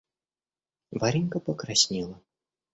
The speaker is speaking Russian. Варенька покраснела.